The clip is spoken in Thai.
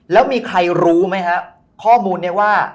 แล้วมีใครรู้ไหมฮะข้อมูลนี้ว่า